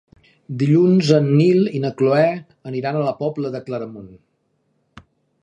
Dilluns en Nil i na Cloè aniran a la Pobla de Claramunt.